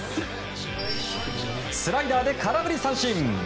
スライダーで空振り三振。